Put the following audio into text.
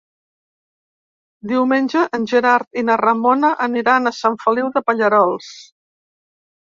Diumenge en Gerard i na Ramona aniran a Sant Feliu de Pallerols.